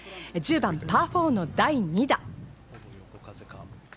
１０番、パー４の第２打。